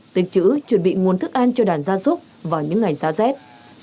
tích chữ chuẩn bị nguồn thức ăn cho đàn gia súc vào những ngày giá rét